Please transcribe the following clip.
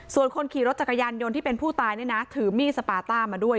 ส่วนคนขี่รถจักรยานยนต์ที่เป็นผู้ตายเนี่ยนะถือมีดสปาต้ามาด้วย